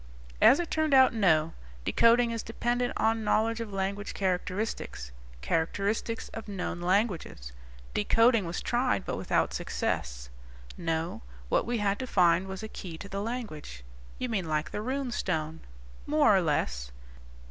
"As it turned out, no. Decoding is dependent on knowledge of language characteristics characteristics of known languages. Decoding was tried, but without success. No, what we had to find was a key to the language." "You mean like the Rune Stone?" "More or less.